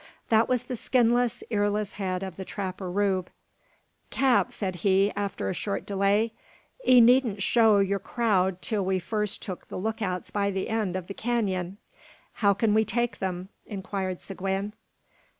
That was the skinless, earless head of the trapper Rube. "Cap," said he, after a short delay, "'ee needn't show yur crowd till we've first took the luk outs by the eend o' the kenyun." "How can we take them?" inquired Seguin.